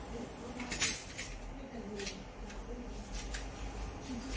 ไม่รู้สึก